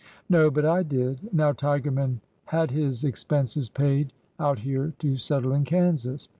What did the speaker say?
No, but I did. Now, Tigerman had his expenses paid out here to settle in Kansas.